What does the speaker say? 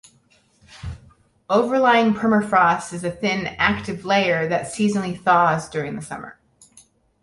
Overlying permafrost is a thin "active layer" that seasonally thaws during the summer.